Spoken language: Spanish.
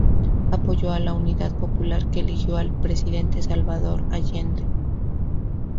Apoyó a la Unidad Popular que eligió al presidente Salvador Allende.